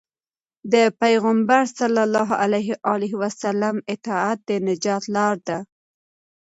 د پيغمبر ﷺ اطاعت د نجات لار ده.